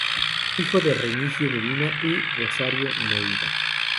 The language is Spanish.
Hijo de "Remigio Medina" y "Rosario Neira".